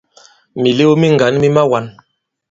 Mìlew mi ŋgǎn mi mawān.